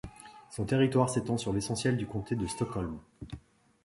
Son territoire s'étend sur l'essentiel du Comté de Stockholm.